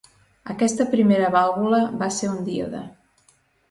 Aquesta primera vàlvula va ser un díode.